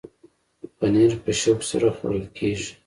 پنېر په شوق سره خوړل کېږي.